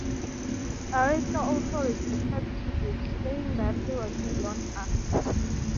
Aristo also rejected Physics, saying that it was beyond us.